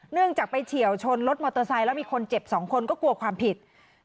จากไปเฉียวชนรถมอเตอร์ไซค์แล้วมีคนเจ็บ๒คนก็กลัวความผิด